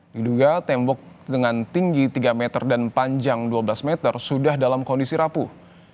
diduga tembok dengan tinggi tiga meter dan panjang dua belas meter sudah dalam kondisi rapuh